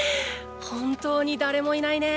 本当に誰もいないね。